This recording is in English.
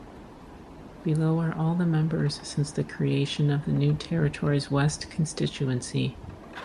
Below are all the members since the creation of the New Territories West constituency.